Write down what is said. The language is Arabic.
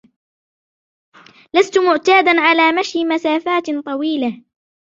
لست معتادا على مشي مسافات طويلة.